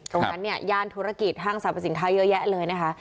ตรงนั้นเนี่ยย้านธุรกิจทางสารประสิทธิ์เฉลอเลยนะคะ